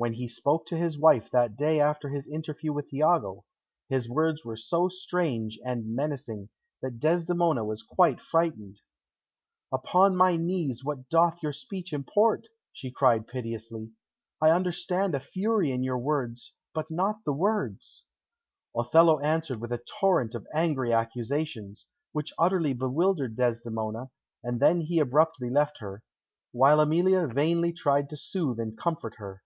When he spoke to his wife that day after his interview with Iago, his words were so strange and menacing that Desdemona was quite frightened. [Illustration: "Upon my knees, what doth your speech import?"] "Upon my knees, what doth your speech import?" she cried piteously. "I understand a fury in your words, but not the words." Othello answered with a torrent of angry accusations, which utterly bewildered Desdemona, and then he abruptly left her, while Emilia vainly tried to soothe and comfort her.